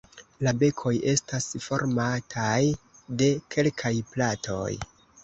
La bekoj estas formataj de kelkaj platoj.